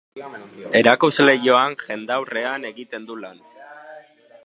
Erakusleihoan, jendaurrean egiten du lan.